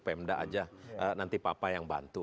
pemda aja nanti papa yang bantu